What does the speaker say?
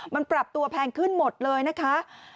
มันปรับตัวแพงขึ้นหมดเลยนะคะ